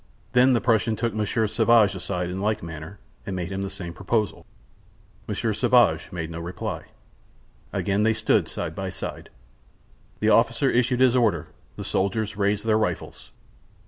Then the Prussian took Monsieur Sauvage aside in like manner, and made him the same proposal. Monsieur Sauvage made no reply. Again they stood side by side. The officer issued his orders; the soldiers raised their rifles.